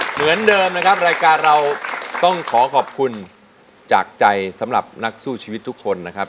เหมือนเดิมนะครับรายการเราต้องขอขอบคุณจากใจสำหรับนักสู้ชีวิตทุกคนนะครับ